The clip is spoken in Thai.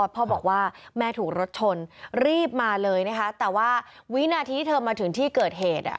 พ่อบอกว่าแม่ถูกรถชนรีบมาเลยนะคะแต่ว่าวินาทีที่เธอมาถึงที่เกิดเหตุ